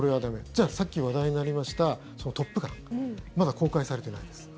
じゃあ、さっき話題になりました「トップガン」まだ公開されてないです。